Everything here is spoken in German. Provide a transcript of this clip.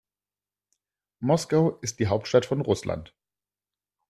Moskau ist die Hauptstadt von Russland.